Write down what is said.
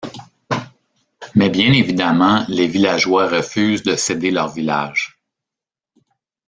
Mais bien évidemment, les villageois refusent de céder leur village.